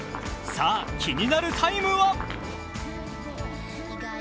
さあ、気になるタイムは？